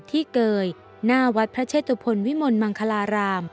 เกยหน้าวัดพระเชตุพลวิมลมังคลาราม